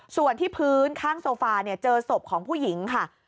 ส่วนที่พื้นข้างโซฟาเจอศพของผู้หญิงค่ะ